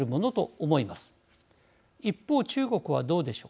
一方中国はどうでしょうか。